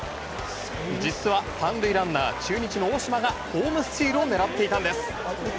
実は３塁ランナー、中日の大島がホームスチールを狙っていたんです。